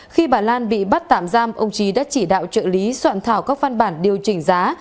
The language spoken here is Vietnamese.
khi bà lan bị bắt tạm giam ông trí đã chỉ đạo trợ lý soạn thảo các văn bản điều chỉnh giá